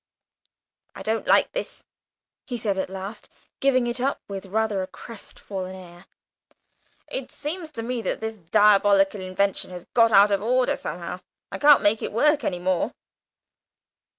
"I don't like this," he said at last, giving it up with a rather crestfallen air. "It seems to me that this diabolical invention has got out of order somehow; I can't make it work any more!"